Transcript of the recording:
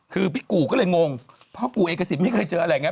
คือปิกกูก็เลยงงเพราะก็เอเกษิมไม่เคยเจออะไรอย่างนี้